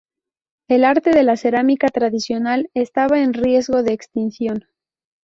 El arte de la cerámica tradicional estaba en riesgo de extinción.